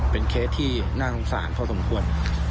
เป็นเคสที่น่าสงสารพอสมควร